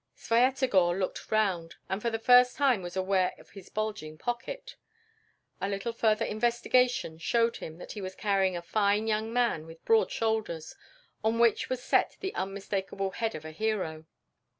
Svyatogor looked round, and for the first time was aware of his bulging pocket. A little further investigation showed him that he was carrying a fine young man with broad shoulders, on which was set the unmistakable head of a hero.